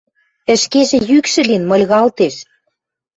Ӹшкежӹ йӱкшӹ лин, мыльгалтеш.